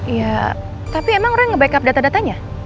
ya tapi emang roy nge backup data datanya